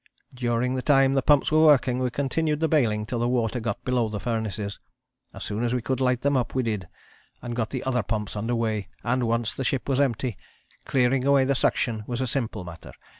During the time the pumps were working, we continued the baling till the water got below the furnaces. As soon as we could light up, we did, and got the other pumps under weigh, and, once the ship was empty, clearing away the suction was a simple matter.